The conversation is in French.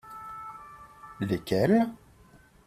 Lesquelles ?